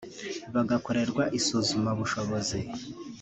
bagakorerwa isuzumabushobozi